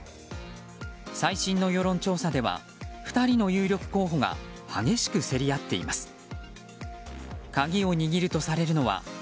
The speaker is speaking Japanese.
最新の世論調査では２人の有力候補が激しく競り合っています。